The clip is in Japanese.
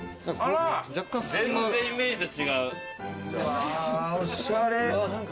全然イメージと違う。